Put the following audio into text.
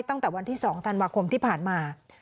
ตั้งแต่วันที่๒ธันวาคมที่ผ่านมา